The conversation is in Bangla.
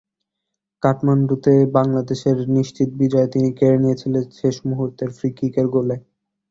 কাঠমান্ডুতেও বাংলাদেশের নিশ্চিত বিজয় তিনি কেড়ে নিয়েছিলেন শেষ মুহূর্তের ফ্রি-কিকের গোলে।